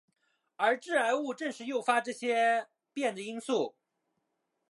而致癌物正是诱发这些变的因素。